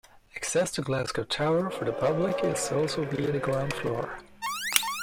Access to Glasgow Tower for the public is also via the Ground Floor.